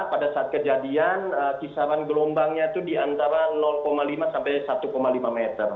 pada saat kejadian kisaran gelombangnya itu di antara lima sampai satu lima meter